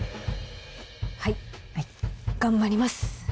はい頑張ります。